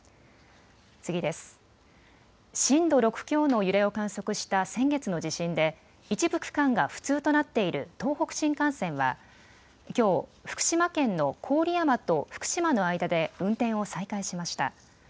震度６強の揺れを観測した先月の地震で一部区間が不通となっている東北新幹線はきょう福島県の郡山と福島の間で運転を再開しました。